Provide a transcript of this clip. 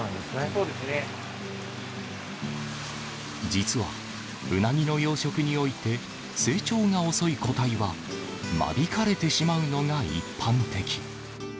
実は、うなぎの養殖において成長が遅い個体は間引かれてしまうのが一般的。